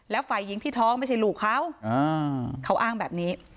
แล้วฝ่ายหญิงที่ท้องไม่ใช่ลูกเขาเขาอ้างแบบนี้